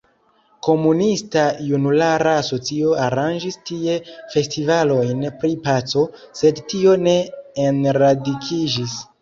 Komunista Junulara Asocio aranĝis tie festivalojn pri Paco, sed tio ne enradikiĝis.